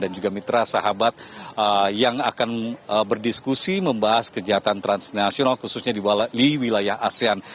dan juga mitra sahabat yang akan berdiskusi membahas kegiatan transnational khususnya di wilayah asean